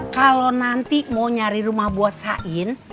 kalau nanti mau nyari rumah buat sain